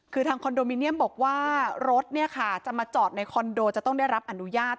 คือทางคอนโดมิเนียมบอกว่ารถจะมาจอดในคอนโดจะต้องได้รับอนุญาต